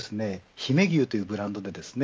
飛米牛というブランドでですね